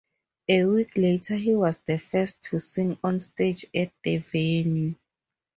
A week later he was the first to sing on stage at the venue.